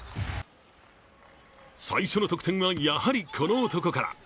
最初の得点は、やはりこの男から。